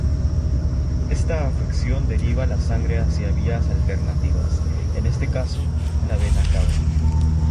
Esta afección deriva la sangre hacia vías alternativas, en este caso, la vena cava.